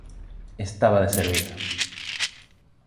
estaba de servizo.